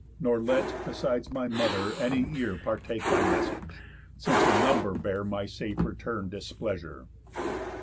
Nor let, besides my mother, any ear Partake thy message, since a number bear My safe return displeasure."